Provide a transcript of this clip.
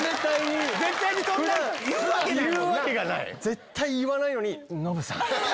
絶対言わないのに「ノブさん」っていう。